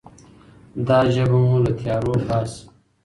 دا ژبه مو له تیارو باسي.